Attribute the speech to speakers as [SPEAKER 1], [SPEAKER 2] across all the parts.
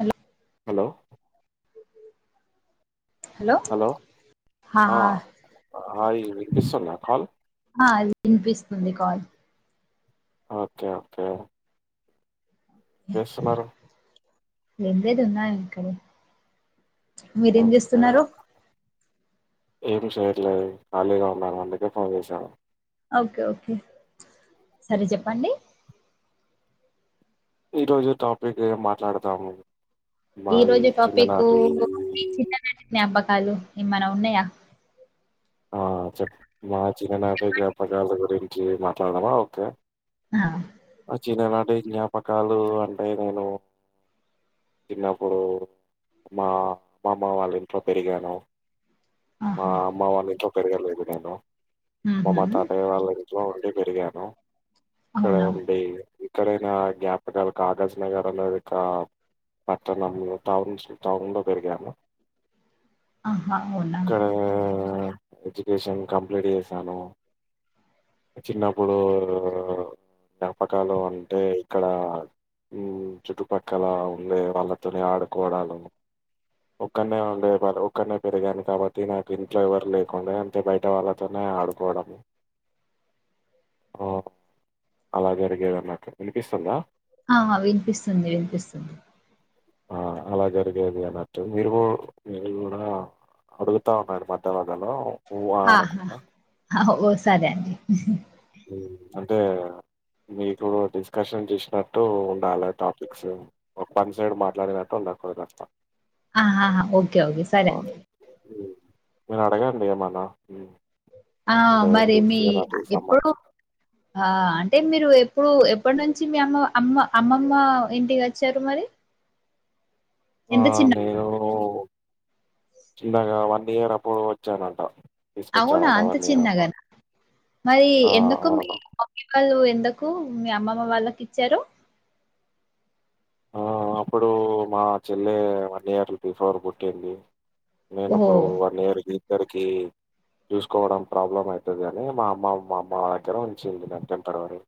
[SPEAKER 1] Hello
[SPEAKER 2] hello hello
[SPEAKER 1] హా
[SPEAKER 2] అ hi వినిపిస్తుందా కాల్
[SPEAKER 1] ఆ వినిపిస్తుంది కాల్
[SPEAKER 2] ఓకే ఓకే స్తున్నారు
[SPEAKER 1] ఏం లేదు ఉన్నా ఇక్కడే మీరేం చేస్తున్నరు
[SPEAKER 2] ఏమీ చేయట్లేదు ఖాళీగా ఉన్నాను అందుకే ఫోన్ చేశాను
[SPEAKER 1] ఓకే ఓకే సరే చెప్పండి
[SPEAKER 2] ఈ రోజు టాపిక్ ఏం మాట్లాడతాము
[SPEAKER 1] ఈ రోజు టాపిక్ చిన్న నాటి జ్ఞాపకం కాలు ఏమన్నా ఉన్నయా
[SPEAKER 2] ఆ చెప్ మా చిన్న నాటి జ్ఞాపకాల గురి మాట్లాడదమా ఓకే
[SPEAKER 1] ఆ
[SPEAKER 2] అ చిన్న నాట్ అంటే జ్ఞాపకాలు అంటే నేను చిన్నప్పుడు మా మామ వాళ్ళ ఇంట్లో పెరిగాను మా
[SPEAKER 1] ఆహా
[SPEAKER 2] అమ్మా వాళ పెరగలేదు నేను
[SPEAKER 1] ఉహు
[SPEAKER 2] మమ్మ తాతయ్య వాళ్ళ ఇంట్లో పెరిగాను సడెన్
[SPEAKER 1] అవునా
[SPEAKER 2] గా పెద్ద ఎక్కడైనా క్యాపిటల్ కాగజ్ నగర్ అనేదికా పట్టణం లో టౌన్స్ టౌన్ లో పెరిగాను
[SPEAKER 1] ఆహా అవునా
[SPEAKER 2] ఇక్కడ ఎడ్యుకేషన్ కంప్లీట్ చేశాను చిన్నప్పుడు జ్ఞాపకాలు అంటే ఇక్కడ చుట్టుపక్కల ఉండే వాళ్ళతో ఆడుకోవడాలు ఒక్కనే ఉండే ఒక్కనే పెరిగాను కాబట్టి నాకు ఇంట్లో ఎవర్ లేర్ అంతే బయట వాళ్ళతోనే ఆడుకోవడంము అలా పెరిగేదన్నట్టు వినిపిస్తుందా
[SPEAKER 1] ఆ వినిపిస్తుంది వినిపిస్తుంది
[SPEAKER 2] ఆ అలా జరిగేది అన్నట్టు మీరు మీరు కూడా అడుగుతా ఉన్నారు మధ్య వాళ్ లలో
[SPEAKER 1] ఆహావీల్ వస్త్ సరే అండి
[SPEAKER 2] హ్మ్. అంటే మీతో డిస్కషన్ చేసినట్టు ఉండాలి టాపిక్స్ ఒక వన్ సైడ్ మాట్లాడినట్టు ఉండకూడదు అట్లా
[SPEAKER 1] ఆహాహా ఓకే ఓకే సరే అండి
[SPEAKER 2] హ్మ్. మీరు అడగండి ఏమన్నా
[SPEAKER 1] ఆ
[SPEAKER 2] అంటే
[SPEAKER 1] మరి మీ
[SPEAKER 2] డిసిజన్‌కి
[SPEAKER 1] ఎప్పుడు
[SPEAKER 2] సంబంధించి.
[SPEAKER 1] అ అంటే మీరు ఎప్పుడు ఇప్పటి నుంచి మీ అమ్మ అమ్మ అమ్మమ్మ ఇంటికి వచ్చారు మరి
[SPEAKER 2] ఆ!
[SPEAKER 1] ఎంత చిన్న
[SPEAKER 2] నేను చిన్నగా వన్ ఇయర్ అప్పుడు వచ్చానంట
[SPEAKER 1] అవునా
[SPEAKER 2] తీసుకొచ్చారట
[SPEAKER 1] అంత
[SPEAKER 2] ఇయర్ అప్పుడు.
[SPEAKER 1] చిన్నగాన మరి
[SPEAKER 2] ఆ!
[SPEAKER 1] ఎందుకు మీ
[SPEAKER 2] అవును.
[SPEAKER 1] మమ్మీ వాళ్ళు ఎందుకు మీ అమ్మమ్మ వాళ్ళకి ఇచ్చారు
[SPEAKER 2] ఆ అప్పుడు మా చెల్లె వన్ ఇయర్ బిఫోర్ పుట్టింది నేను
[SPEAKER 1] ఓహో!
[SPEAKER 2] ఇప్పుడు వన్ ఇయర్ ఇద్దరికీ చూసుకోవడం ప్రాబ్లం అయితాది అని మా అమ్మ మా అమ్మ వల్ల దగ్గర ఉంచింది నా టెంపరవరీ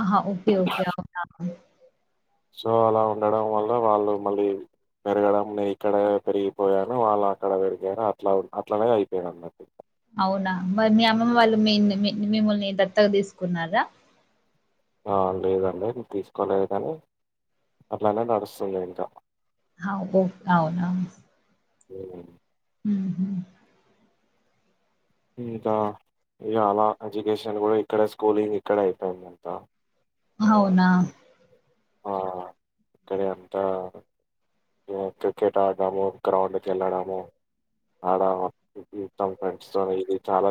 [SPEAKER 1] ఆహా ఓకే ఓకే అవునా
[SPEAKER 2] సో అలా ఉండడం వల్ల వాళ్ళు మళ్ళీ పెరగడం నేను ఇక్కడ పెరిగిపోయాను వాళ్ళు అక్కడ పెరిగాను అట్లా అట్లనే అయిపోఇది అన్నట్టు
[SPEAKER 1] అవునా మరి మీ అమ్మమ్మ వాళ్ళు మిమ్మల్ని దత్తగా తీసుకున్నారా
[SPEAKER 2] లేదండి తీసుకోలేదు కానీ అట్లానే నడుస్తుంది ఇంకా
[SPEAKER 1] అ ఓ అవున
[SPEAKER 2] ఊ ఇంకా చాలా ఎడ్యుకేషన్ కూడా ఇక్కడ స్కూలింగ్ ఇక్కడ అయిపోయింది అంత,
[SPEAKER 1] అవునా
[SPEAKER 2] ఆ ఇక్కడె అంతా క్రికెట్ ఆడము గ్రౌండ్కి వెళ్ళడము ఆడము ఫ్రెండ్స్ తో ఇది చాలా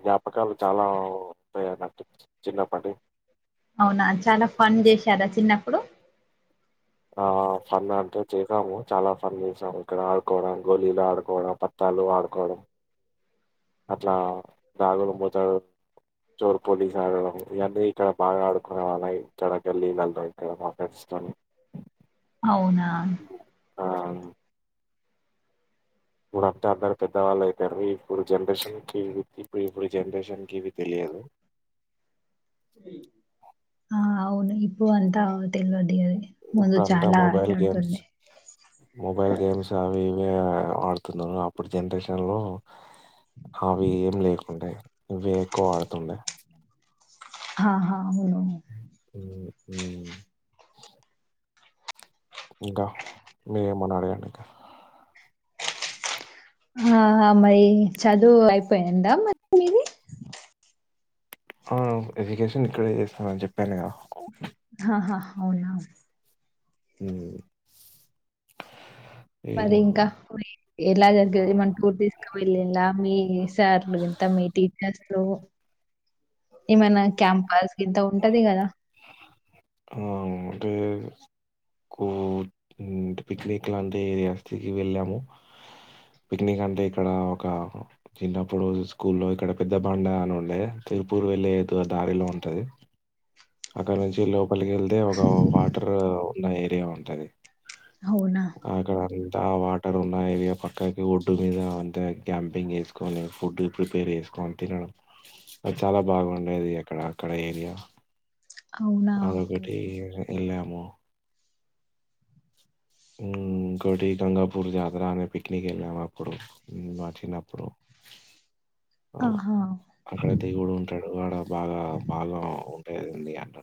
[SPEAKER 2] జ్ఞాపకాలు చాలా ఉంటాయన్న చిన్నప్పటి
[SPEAKER 1] అవునా చాలా ఫన్ చేశారా చిన్నప్పుడు
[SPEAKER 2] ఆ ఫన్ అంటే చేసాము చాలా ఫన్ చేసాము ఇక్కడ ఆడుకోవడం గోళలు ఆడుకోవడం పత్తాలు ఆడుకోవడం అట్లా ధగుడు మతడు చోరు పోలీస్ ఆడడం ఇవన్నీ ఇక్కడ బాగా ఆడుకునే వాళ్ళ ఇక్కడ గల్లీల ఇక్కడ మా ఫ్రెండ్స్ తోని
[SPEAKER 1] అవునా
[SPEAKER 2] ఇప్పుడు అంతా అందరు పెద్దవాళ్ళు అవుతారు ఇప్పుడు జనరేషన్ క ఇ ఇప్పుడు ఇప్పుడు జనరేషన్ కి ఇవి తెలియదు
[SPEAKER 1] ఆ అవును ఇప్పు అది ముందు
[SPEAKER 2] ఇప్పుడంతా
[SPEAKER 1] చాలా
[SPEAKER 2] మొబైల్ గేమ్స్
[SPEAKER 1] ఆటలాడుతుండే.
[SPEAKER 2] మొబైల్ గేమ్స్ అవి ఇవి ఆడుతున్నా ఇప్పుడు జనరేషన్లో అవి ఏం లేకుండే ఇవి ఎక్కువ ఆడుతుండే
[SPEAKER 1] అహ మనం
[SPEAKER 2] హు హు ఇంకా మీరేమోన్నా అడగండి ఇంకా
[SPEAKER 1] ఆ మై చదువు అయిపోయిందా మరి మీది
[SPEAKER 2] ఎడ్యుకేషన్ ఇక్కడే చేస్తాను అని చెప్ప
[SPEAKER 1] అహ అహ అవునా
[SPEAKER 2] హు
[SPEAKER 1] మరి ఇంకా ఎలా జగ్గది మన టూర్ తీసుకు వెళ్ళలా మీ సార్లు ఇంత మీ టీచర్స్ ఏమన్నా క్యాంపస్ ఇంత ఉంటది కదా
[SPEAKER 2] ఆ అంటే పిక్నిక్ లాంటి ఏరియాకి వెళ్ళాము పిక్నిక్ అంటే ఇక్కడ ఒక చిన్నప్పుడు స్కూల్లో ఇక్కడ పెద్ద బండ అని ఉండే తిరుపూరు వెళ్ళే దారిలో ఉంటది అక్కడ నుంచి లోప్ పలికి వెళ్తే ఒక వాటర్ ఉన్న ఏరియా ఉంటది
[SPEAKER 1] అవునా!
[SPEAKER 2] ఆక్కాడ అంత వాటర్ ఉన్న ఏరియా పక్కకి ఒడ్డు మీద అంతే క్యాంపింగ్ చేసుకొని ఫుడ్ ప్రిపేర్ చేసుకొని తినడం అది చాలా బాగుండేది అక్కడ అక్కడ ఏరియా
[SPEAKER 1] అవునా ఓకే
[SPEAKER 2] ఎళ్ళము గడి గంగపు పూ జాతర అని పిక్నిక్ వెళ్ళాము అప్పుడు మా చిన్నప్పుడు అలా
[SPEAKER 1] ఆహా!
[SPEAKER 2] అక్కడ దిగుడు ఉంటడు అడ బాగా బాగా ఉం ేందియాంట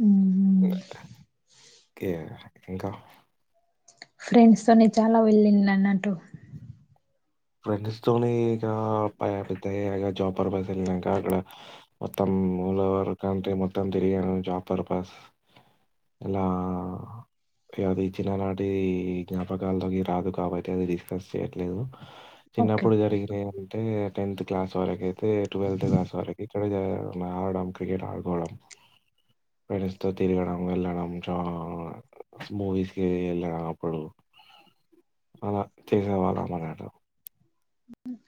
[SPEAKER 1] హ్మ్.
[SPEAKER 2] ఓకే ఇంకా
[SPEAKER 1] ఫ్రెండ్స్ తో నేను చాలా వెళ్ళిన అన్న డు
[SPEAKER 2] ఫ్రెండ్స్ తోని ఇక పైన పెద్దాయక జాబ్ పర్పస్ వెళ్ళినాక అక్కడ మొత్తం మూలవర్ కంటే మొత్తం తిరిగాను జాబ్ పర్పస్ ఇలా అది చిన్న నాటి జ్ఞాపకాలల్లోకి రాదు కాబట్టి అది డిస్కస్ చేయట్లేదు
[SPEAKER 1] ఓకే.
[SPEAKER 2] చిన్నప్పుడు
[SPEAKER 1] ఓకే.
[SPEAKER 2] జరిగిన అ టెన్త్ క్లాస్ వరకు తే ట్వల్త్ క్లాస్ వరకి ఇక్కడే చ ఆడడం క్రికెట్ ఆడుకోవడం ఫ్రెండ్స్ తో తిరగడం వెళ్ళడం చా మూవీస్కి వెళ్ళడం అప్పుడు అలా చేసేవాళ్ళం అన్నమాట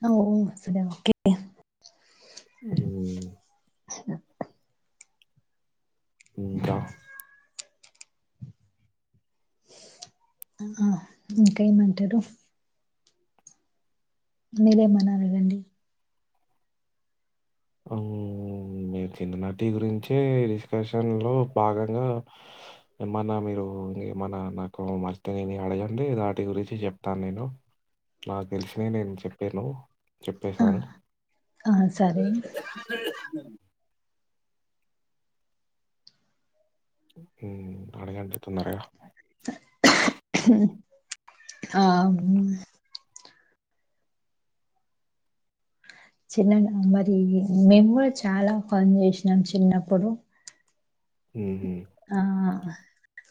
[SPEAKER 1] అవ్ సరే ఓకే
[SPEAKER 2] అ ఇంకా
[SPEAKER 1] ఇంకా ఇంకేమంటరు మీరేమ్మన అడగండి
[SPEAKER 2] హలో మీరు చిన్న నటి గురించే డిస్కషన్ లో భాగంగా ఏమన్నా మీరు ఏమన్నా నాకు మర్చ నని అడగండి వాటి గురించి చెప్తాను నేను నాకు తెలిసినియి నేను చెప్పాను
[SPEAKER 1] ఆ!
[SPEAKER 2] చెప్పేశాను
[SPEAKER 1] ఆ! సరే.
[SPEAKER 2] అడగంటుతున్నరుగా
[SPEAKER 1] [unintelligible] ఆ హుమ్ చిన్నన మరి మేము కుడ్ చాలా పని చేశ్నాం చిన్న ప్పుడు
[SPEAKER 2] హుహు.
[SPEAKER 1] ఆ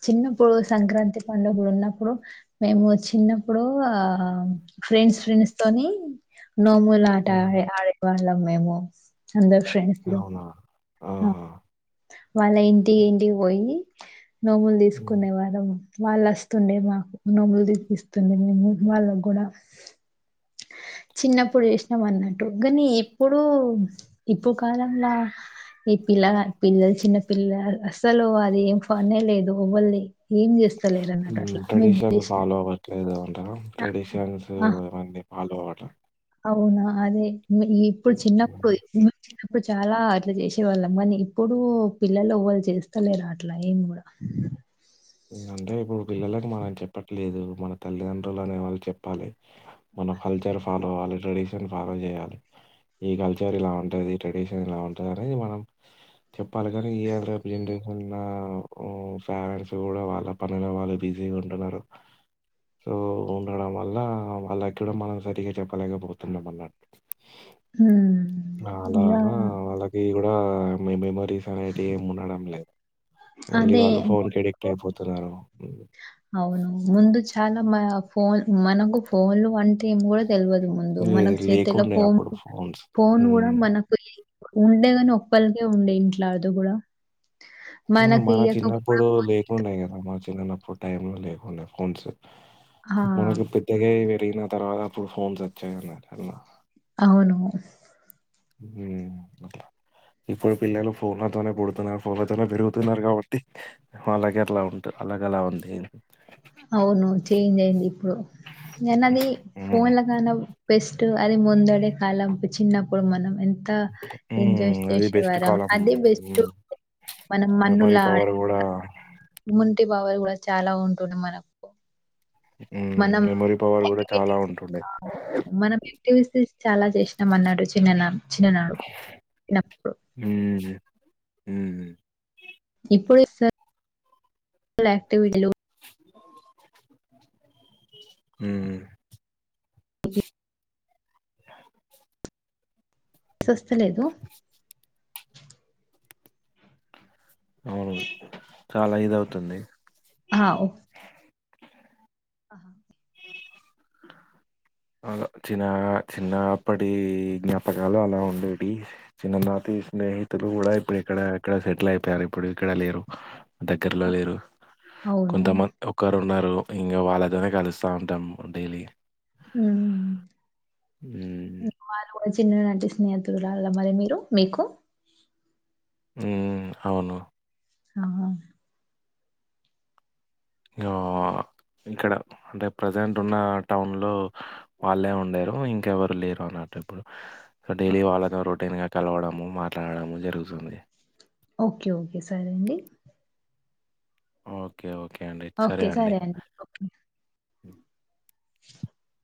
[SPEAKER 1] చిన్నప్పుడు సంక్రాంతి పండు ప్పుడు ఉన్నప్పుడు మేము చిన్నప్పుడు ఆ ఫ్రెండ్స్ ఫ్రెండ్స్ తోని నోములు ఆట
[SPEAKER 2] హ్మ్.
[SPEAKER 1] ఆడే వాళ్ళం మేము అందర్ ఫ్రెండ్స్ లో
[SPEAKER 2] అవునా?
[SPEAKER 1] హ
[SPEAKER 2] ఆహా!
[SPEAKER 1] వాళ్ళ ఇంటి ఇంటిక్ వోయ్ యి నోములు
[SPEAKER 2] హ్మ్.
[SPEAKER 1] తీసుకునేవారం వాళ్ అస్తుండే మాకు నోములు తీసుస్తుండ మేము వాళ్ళకు కూడా చిన్నప్పుడు చేశ్నం అన్నట్టు గనీ ఇప్ ఇప్పుడు ఇప్పు కాలంలా ఈ పిల్లగ పిల్లల్ చిన్న పిల్లార్ అసలు అది ఏం ఫన్ ఎ లేదు ఎవ్వల్ని ఏం చేస్తలేరు అన్నటు
[SPEAKER 2] హ్మ్.
[SPEAKER 1] అట్ల మీ
[SPEAKER 2] ట్రెడిషన్
[SPEAKER 1] ఉద్దేషం
[SPEAKER 2] ఫాలో
[SPEAKER 1] లో
[SPEAKER 2] అవ్వట్లేదు
[SPEAKER 1] ఆ ఆహ్
[SPEAKER 2] హలో అట్ల
[SPEAKER 1] అవునా అదే మి ఇప్పుడ్
[SPEAKER 2] హ్మ్.
[SPEAKER 1] చిన్నప్పుది అప్పుడు చాలా అట్లా చేశే వాళ్ళమణి ఇప్పుడు పిల్లలు ఎవాళ్ చేస్తలేరు అట్లా ఏం కూడా
[SPEAKER 2] అంటే ఇప్పుడు పిల్లలకి మనం చెప్పట్లేదు మన తల్లిదండ్రులు అనే వాళ్ళు చెప్పాలి మన కల్చర్ ఫాలో అవ్వాలి ట్రెడిషన్ ఫాలో చేయాలి ఈ కల్చర్ ఇలా ఉంటది ఈ ట్రెడిషన్ ఇలా ఉంటది అనీ మనం చెప్పాలి గానీ ఇవాల్రేప్ ఈయల్రేప్ ఈ జనరేషన్ పరెంట్స్ కూడా వాళ్ళ పనిలో వాళ్ళు బిజీగా ఉంటున్నారు సో ఉండడం వల్ల వాళ్ళక్ కూడా మనం సరిగా చెప్పలేకపోతున్నాం అన్నట్
[SPEAKER 1] హ్మ్.
[SPEAKER 2] అ
[SPEAKER 1] ఇగ
[SPEAKER 2] అలానా వాళ్ళకి కూడ్ ఆ మీనీ మర్ టీ సానైటి ఏం ఉండడం లేద్ ఓన్లీ
[SPEAKER 1] అదే
[SPEAKER 2] వాళ్ళు ఫోన్ కి అడిక్ట్
[SPEAKER 1] ముందు-
[SPEAKER 2] పోతున్నార హ్మ్
[SPEAKER 1] అవును ముందు చాలా మ ఫోన్ మనకు ఫోన్లు వంట్ ఏం కూడా తెల్వదు ముందు
[SPEAKER 2] లే-
[SPEAKER 1] మనకు చేతిలా
[SPEAKER 2] లేకుండే
[SPEAKER 1] ఫోన్
[SPEAKER 2] అప్పుడు
[SPEAKER 1] ఫోన్ కూడా
[SPEAKER 2] ఫోన్స్
[SPEAKER 1] మనకు ఉండే గాని ఒక్కలికే ఉండే ఇంట్ల అది కూడా
[SPEAKER 2] హ మన చిన్నప్పుడు లే ఉన్నాయి కదా మన చిన్నప్పుడు టైమ్ లో లేకుండె ఫోన్స్.
[SPEAKER 1] ఆ!
[SPEAKER 2] మనకు పెద్ద గే యిన గయ వెరిన తర్వాత అప్పుడు ఫోన్స్ వచ్చాయన్నారు
[SPEAKER 1] అవును
[SPEAKER 2] హ్మ్ ఇప్పుడు పిల్లలు ఫోన్ లతోనే పుడుతున్నారు ఫోన్ల తోనే పెరుగుతున్నారు కాబట్టి అలాగే అట్లా ఉంట అలాగ అలా ఉంది
[SPEAKER 1] నేనది అది
[SPEAKER 2] హ్మ్.
[SPEAKER 1] ఫోన్ ల గానవ్ పెస్ట్ అది ముందుడే కాలం చిన్నప్పుడు మనం ఎంత అంత ఎంజాయ్
[SPEAKER 2] హ్మ్. అది బెస్ట్
[SPEAKER 1] చేశేవారం
[SPEAKER 2] కాలం.
[SPEAKER 1] అదే బెస్ట్
[SPEAKER 2] హ్మ్.
[SPEAKER 1] మనం
[SPEAKER 2] మెమరీ
[SPEAKER 1] మన్నులా ఆడే
[SPEAKER 2] పవర్ గూడా
[SPEAKER 1] ముంటి బవర్ కూడా చాలా ఉంటుడు మనకు
[SPEAKER 2] హ్మ్. మెమరీ పవర్ గూడా
[SPEAKER 1] మనంక్విటీ
[SPEAKER 2] చాలా ఉంటుండే.
[SPEAKER 1] మనం యాక్టివిటీస్ చాలా చేసాం అన్నాడు చిన్ననా చిన్ననాడు చిన్నప్పుడు
[SPEAKER 2] హ్మ్. హ్మ్
[SPEAKER 1] ఇప్పుడుటివిటీ
[SPEAKER 2] ఉమ్ [inaudible]
[SPEAKER 1] స్వస్త లేదు [inaudible]
[SPEAKER 2] అవును చాలా ఇది అవుతుంది.
[SPEAKER 1] ఆహా [inaudible]
[SPEAKER 2] అ చిన్న చిన్నప్పటి జ్ఞాపకాలు అలా ఉండేటియి చిన్న నాటి స్నేహితులు కూడా ఇప్పుడు ఇక్కడ ఎక్కడ సెటిల్ అయిపోయారు ఇప్పుడు ఇక్కడ లేరు. దగ్గరలో లేరు
[SPEAKER 1] అవును
[SPEAKER 2] కొంతమంది ఒకరు న్నారు ఇంకా వాళ్ళతోనే కలిసి స్త ఉంటాము డైలీ
[SPEAKER 1] హ్మ్
[SPEAKER 2] హ్మ్.
[SPEAKER 1] చిన్న నాటి స్నేహితులరా మరి మీరు మీకు
[SPEAKER 2] హు అవును.
[SPEAKER 1] ఆ
[SPEAKER 2] ఆ ఇక్కడ అంటే ప్రజెంట్ ఉన్న టౌన్ లో హలో వాళ్ళే ఉండెరు ఇం ఇంకె ఎవరు లేరు అన్నటప్పుడు డైలీ వాాలా రోటీన్గా కలవడము మాట్లాడడము జరుగుతుంది
[SPEAKER 1] ఓకే ఓకే సరే అండి
[SPEAKER 2] ఓకే ఓకే
[SPEAKER 1] ఓకే సరే అండి ఒకే
[SPEAKER 2] [inaudible]
[SPEAKER 1] [inaudible]